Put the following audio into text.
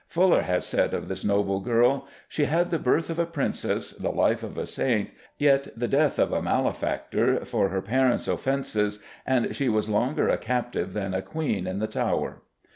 Fuller has said of this noble girl, "She had the birth of a Princess, the life of a saint, yet the death of a malefactor, for her parent's offences, and she was longer a captive than a Queen in the Tower."